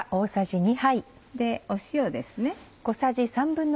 塩ですね。